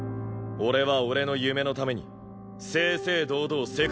俺は俺の夢のために正々堂々世界と戦う。